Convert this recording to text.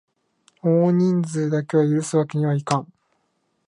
多人数だけは許すわけにはいかん！